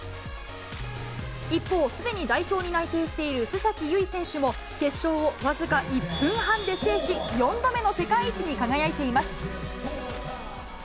一方、すでに代表に内定している須崎優衣選手も決勝を僅か１分半で制し、４度目の世界一に輝いています。